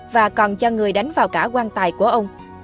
và còn cho người đánh vào cả quang tài của ông